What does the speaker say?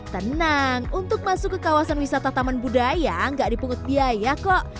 tenang untuk masuk ke kawasan wisata taman budaya gak dipungut biaya kok